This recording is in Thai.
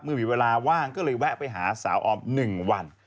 เมื่อมีเวลาว่างก็เลยแวะไปหาสาวออม๑วัน